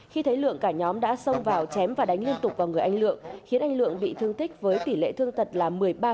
khi thấy lượng cả nhóm đã xông vào chém và đánh liên tục vào người anh lượng khiến anh lượng bị thương tích với tỷ lệ thương tật là một mươi ba